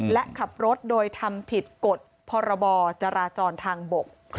และขับรถโดยทำผิดกฎพรบจราจรทางบก